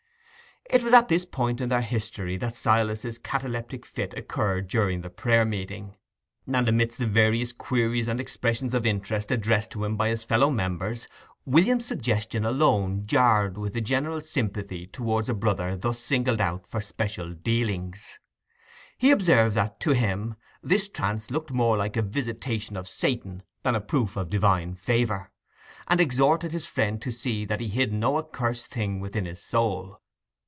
It was at this point in their history that Silas's cataleptic fit occurred during the prayer meeting; and amidst the various queries and expressions of interest addressed to him by his fellow members, William's suggestion alone jarred with the general sympathy towards a brother thus singled out for special dealings. He observed that, to him, this trance looked more like a visitation of Satan than a proof of divine favour, and exhorted his friend to see that he hid no accursed thing within his soul.